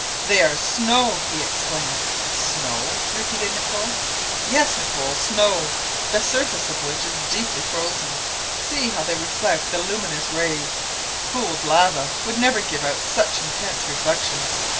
"They are snow," he exclaimed. "Snow?" repeated Nicholl. "Yes, Nicholl, snow; the surface of which is deeply frozen. See how they reflect the luminous rays. Cooled lava would never give out such intense reflection.